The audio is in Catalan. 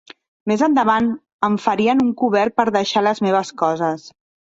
Més endavant em farien un cobert per deixar les meves coses.